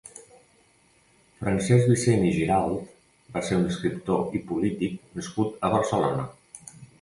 Francesc Vicens i Giralt va ser un escriptor i polític nascut a Barcelona.